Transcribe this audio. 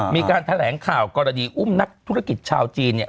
มีการแถลงข่าวกรณีอุ้มนักธุรกิจชาวจีนเนี่ย